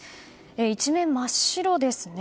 一面真っ白ですね。